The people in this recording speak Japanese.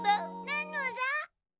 なのだ。